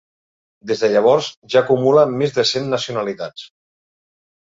Des de llavors ja acumula més de cent nacionalitats.